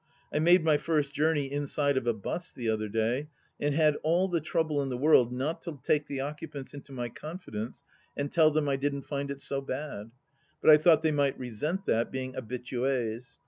I made my first journey inside of a bus the other day, and had all the trouble in the world not to take the occupants into my confidence and tell them I didn't find it so bad. But I thought they might resent that, being habituSs.